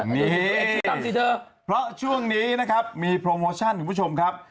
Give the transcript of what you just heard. นี่เพราะช่วงนี้นะครับมีโปรโมชั่นคุณผู้ชมครับ